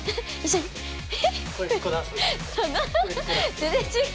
全然違う。